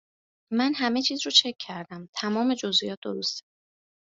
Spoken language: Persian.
من همه چیز رو چک کردم تمام جزییات درسته